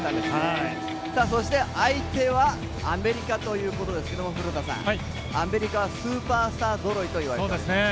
そして、相手はアメリカということですが古田さん、アメリカはスーパースターぞろいとそうですね。